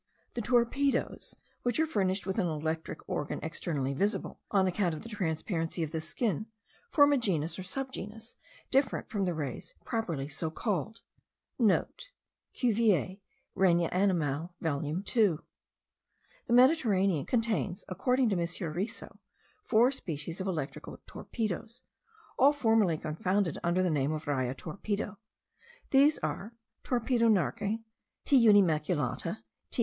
The torpedos, which are furnished with an electric organ externally visible, on account of the transparency of the skin, form a genus or subgenus different from the rays properly so called.* (* Cuvier, Regne Animal volume 2. The Mediterranean contains, according to M. Risso, four species of electrical torpedos, all formerly confounded under the name of Raia torpedo; these are Torpedo narke, T. unimaculata, T.